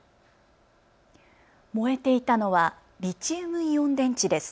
燃えていたのはリチウムイオン電池です。